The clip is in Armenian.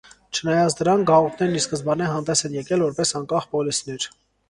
Չնայած դրան, գաղութներն ի սկզբանե հանդես են եկել որպես անկախ պոլիսներ։